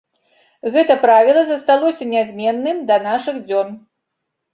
Гэта правіла засталося нязменным да нашых дзён.